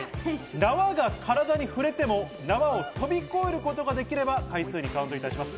縄が体に触れても縄を跳び越えることができれば回数にカウントします。